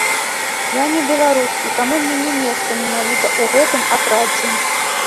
Я не беларус, і таму мне не месца менавіта ў гэтым атрадзе.